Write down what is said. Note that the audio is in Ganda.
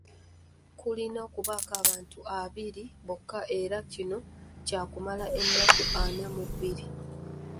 Kulina okubako abantu abiri bokka era na kino kyakumala ennaku ana mu bbiri.